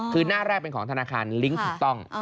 คือหน้าแรกเป็นของธนาคารลิงก์ถูกต้อง